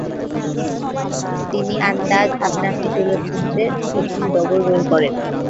তিনি আন্দাজ আপনা আপনা চলচ্চিত্রে প্রথম ডবল রোল করেন।